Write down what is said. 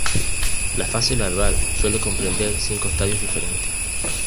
La fase larval suele comprender cinco estadios diferentes.